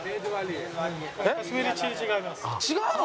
違うの？